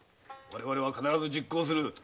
我々は必ず実行する。